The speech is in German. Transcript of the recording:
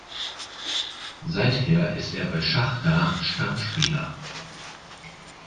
Seither ist er bei Schachtar Stammspieler.